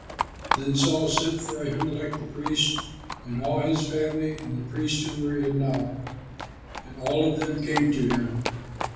Then Saul sent for Ahimelech the priest, and all his family and the priests who were in Nob; and all of them came to him.